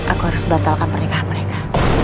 aku harus batalkan pernikahan mereka